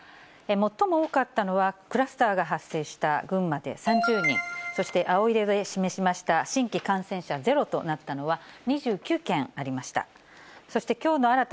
最も多かったのは、クラスターが発生した群馬で３０人、そして青色で示しました新規感染者ゼロとなったのは２９県ありました。